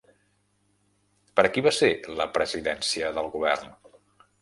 Per a qui va ser la presidència del govern?